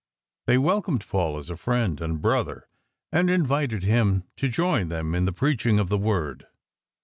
They welcomed Paul as a friend and brother, and invited him to join them in the preaching of the Word.